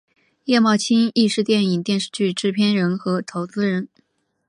叶茂菁亦是电影电视剧制片人和投资人。